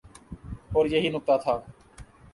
اوریہی نکتہ تھا۔